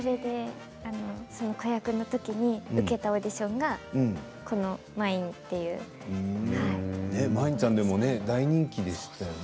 その子役の時に受けたオーディションがまいんちゃん大人気でしたよね。